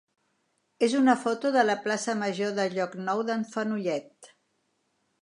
és una foto de la plaça major de Llocnou d'en Fenollet.